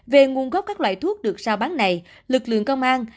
về nguồn gốc các loại thuốc được sao bán này lực lượng công an